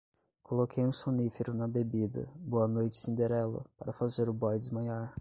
Coloquei um sonífero na bebida, boa noite cinderela, para fazer o boy desmaiar